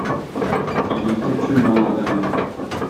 Ils vivent actuellement à Berlin.